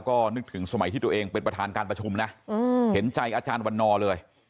ก็นึกถึงสมัยที่ตัวเองเป็นประธานการประชุมนะเห็นใจอาจารย์วันนอเลย